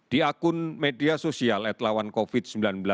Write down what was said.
di akun media sosial atlawan covid sembilan belas